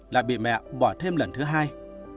lại bị mẹ bỏ thêm lần thứ hai